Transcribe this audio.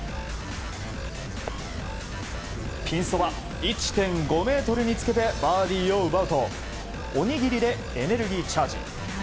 ピンそば１．５ｍにつけてバーディーを奪うとおにぎりでエネルギーチャージ。